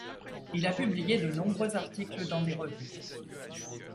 Il a publié de nombreux articles dans des revues.